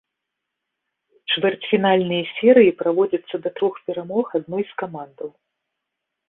Чвэрцьфінальныя серыі праводзяцца да трох перамог адной з камандаў.